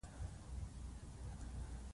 علي له خپلو دوستانو سره ښه په نره دوستي کوي.